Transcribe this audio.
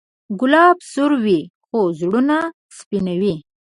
ګلاب سور وي، خو زړونه سپینوي.